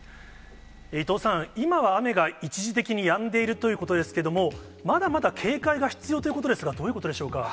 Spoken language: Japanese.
伊藤さん、今は雨が一時的にやんでいるということですけれども、まだまだ警戒が必要ということですが、どういうことでしょうか。